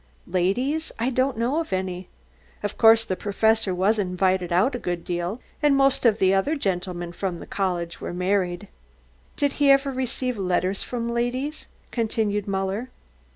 "Ladies? I don't know of any. Of course, the Professor was invited out a good deal, and most of the other gentlemen from the college were married." "Did he ever receive letters from ladies?" continued Muller.